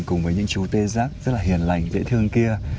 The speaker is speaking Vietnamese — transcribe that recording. cùng với những chú tê giác rất là hiền lành dễ thương kia